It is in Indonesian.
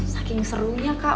saking serunya kak